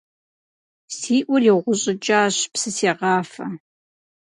Си Ӏур игъущӀыкӀащ, псы сегъафэ.